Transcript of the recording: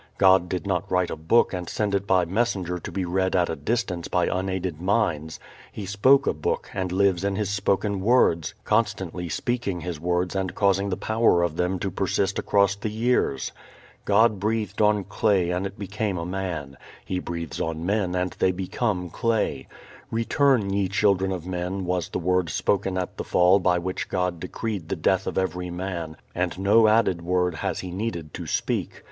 God did not write a book and send it by messenger to be read at a distance by unaided minds. He spoke a Book and lives in His spoken words, constantly speaking His words and causing the power of them to persist across the years. God breathed on clay and it became a man; He breathes on men and they become clay. "Return ye children of men" was the word spoken at the Fall by which God decreed the death of every man, and no added word has He needed to speak.